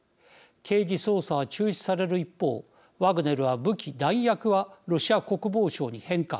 刑事捜査は中止される一方ワグネルは武器、弾薬はロシア国防省に返還